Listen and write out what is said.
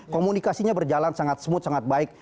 komunikasinya berjalan sangat smooth sangat baik